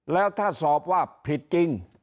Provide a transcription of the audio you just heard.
แล้วถ้าสอบว่าผิดจริง